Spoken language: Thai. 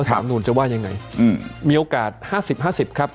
ว่าสามนูนจะว่ายังไงอืมมีโอกาสห้าสิบห้าสิบครับ